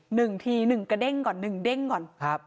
หนึ่งทีหนึ่งกระเด้งก่อนหนึ่งเด้งก่อนครับ